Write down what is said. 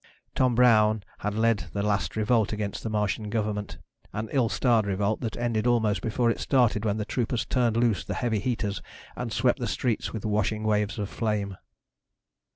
Tom Brown had lead the last revolt against the Martian government, an ill starred revolt that ended almost before it started when the troopers turned loose the heavy heaters and swept the streets with washing waves of flame.